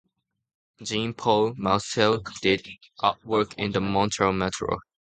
Jean-Paul Mousseau did artwork in the Montreal metro.